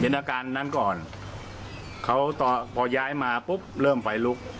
อาการนั้นก่อนเขาตอนพอย้ายมาปุ๊บเริ่มไฟลุก